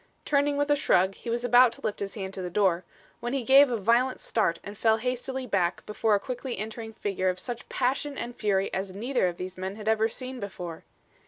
Turning with a shrug he was about to lift his hand to the door, when he gave a violent start and fell hastily back before a quickly entering figure of such passion and fury as neither of these men had ever seen before.